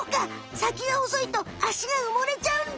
さきが細いと足がうもれちゃうんだ。